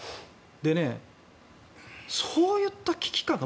でね、そういった危機感が。